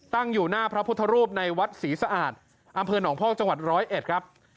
ตั้งอยู่หน้าพระพุทธรูปในวัดศรีสะอาดอำเภอหนองพอกจังหวัดร้อยเอ็ดครับ